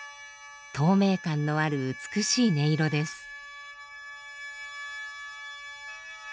透明感のある美しい音色です。